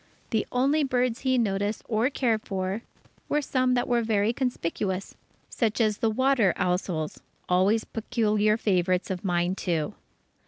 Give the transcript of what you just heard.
The only birds he noticed or cared for, were some that were very conspicuous, such as the water ousels always particular favourites of mine too.